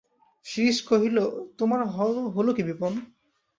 শ্রীশ কহিল, তোমার হল কী বিপিন?